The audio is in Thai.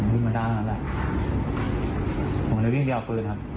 ผมขึ้นมาด้านนั้นแหละผมเลยวิ่งเดี่ยวกลืนครับ